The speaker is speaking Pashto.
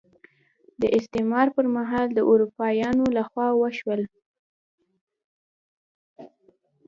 دا د استعمار پر مهال د اروپایانو لخوا وشول.